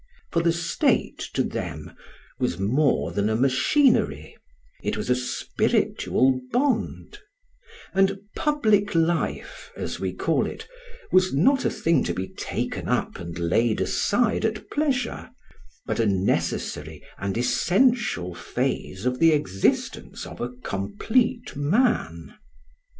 For the state, to them, was more than a machinery, it was a spiritual bond; and "public life", as we call it, was not a thing to be taken up and laid aside at pleasure, but a necessary and essential phase of the existence of a complete man.